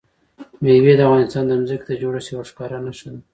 مېوې د افغانستان د ځمکې د جوړښت یوه ښکاره نښه ده.